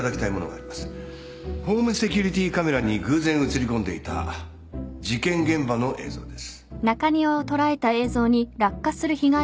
ホームセキュリティーカメラに偶然写り込んでいた事件現場の映像です。